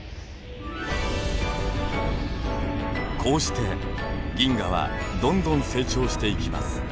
こうして銀河はどんどん成長していきます。